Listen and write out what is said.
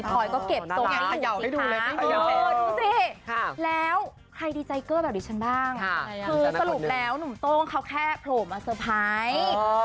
พอยก็เก็บทรงดูสิแล้วใครดีใจเกอร์แบบดิฉันบ้างคือสรุปแล้วหนุ่มโต้งเขาแค่โผล่มาเตอร์ไพรส์